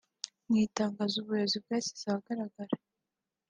Mu itangazo ubu buyobozi bwashyize ahagaragara